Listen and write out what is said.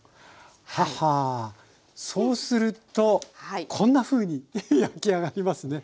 ははそうするとこんなふうに焼き上がりますね。